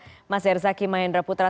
sebelumnya ada mas yerzaki mahendra putra